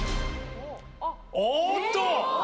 おっと！